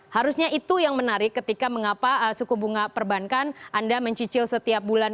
harusnya itu yang menarik ketika mengapa suku bunga perbankan anda mencicil setiap bulan